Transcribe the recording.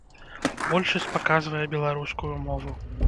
Большасць паказвае беларускую мову.